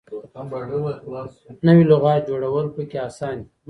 نوې لغات جوړول پکې اسان دي.